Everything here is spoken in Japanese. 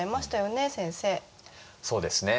そうですね。